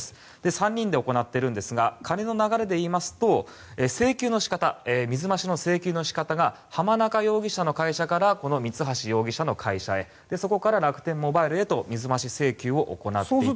３人で行っているんですが金の流れでいいますと水増しの請求の仕方が濱中容疑者の会社から三橋容疑者の会社へそこから楽天モバイルへと水増し請求を行っていたと。